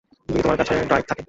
যদি তোমার কাছে ড্রাইভ থাকে।